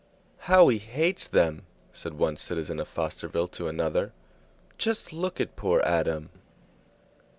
"How he hates them!" said one citizen of Fosterville to another. "Just look at poor Adam!"